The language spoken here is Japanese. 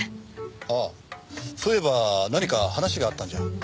あっそういえば何か話があったんじゃ？